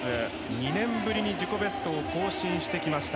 ２年ぶりに自己ベストを更新してきました。